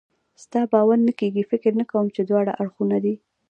ستا باور نه کېږي؟ فکر نه کوم چې دواړه اړخونه دې.